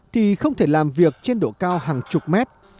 thì không thể làm việc trên độ cao hàng chục mét